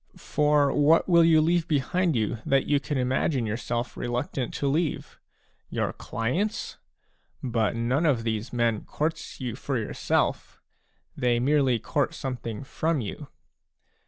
For what will you leave behind you that you can imagine yourself reluctant to leave ? Your clients ? But none of these men courts you for yourself ; they merely court something from you.